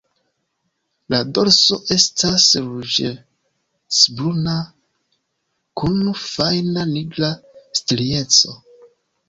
La dorso estas ruĝecbruna kun fajna nigra strieco.